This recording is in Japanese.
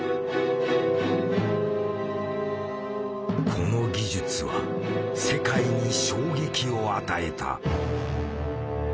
この技術は世界に衝撃を与えた。